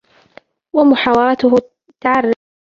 وَمُحَاوَرَتُهُ تَعَرٍّ